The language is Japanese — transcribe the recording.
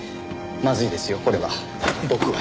まずいですよこれは。